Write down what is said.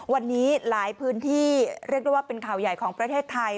วันนี้หลายพื้นที่เรียกได้ว่าเป็นข่าวใหญ่ของประเทศไทย